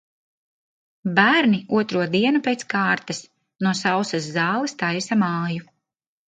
Bērni otro dienu pēc kārtas no sausas zāles taisa māju.